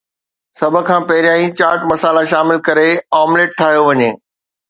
سڀ کان پهريان چاٽ مسالا شامل ڪري آمليٽ ٺاهيو وڃي